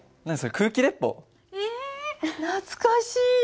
え懐かしい！